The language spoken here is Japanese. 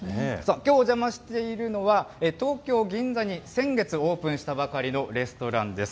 きょうお邪魔しているのは、東京・銀座に先月オープンしたばかりのレストランです。